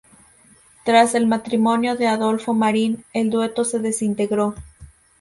Tras el matrimonio de Adolfo Marín, el dueto se desintegró.